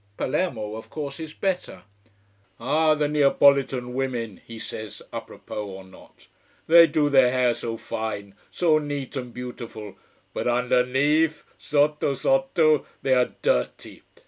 Palermo of course is better. Ah the Neapolitan women he says, à propos or not. They do their hair so fine, so neat and beautiful but underneath sotto sotto they are dirty.